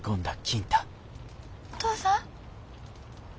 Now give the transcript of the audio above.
お父さん？